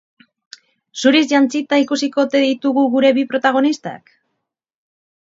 Zuriz jantzita ikusiko ote ditugu gure bi protagonistak?